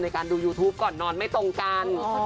การดูยูทูปก่อนนอนไม่ตรงกัน